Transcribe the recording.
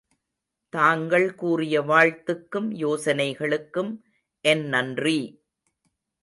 தாங்கள் கூறிய வாழ்த்துக்கும் யோசனைகளுக்கும் என் நன்றி!